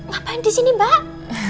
ngapain disini mbak